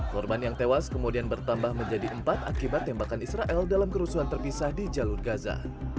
korban yang tewas kemudian bertambah menjadi empat akibat tembakan israel dalam kerusuhan terpisah di jalur gaza